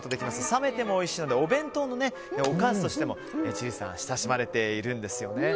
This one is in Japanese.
冷めてもおいしいのでお弁当のおかずとしても千里さん親しまれているんですよね。